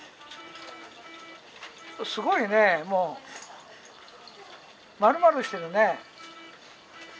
すごいねもうまるまるしてるね。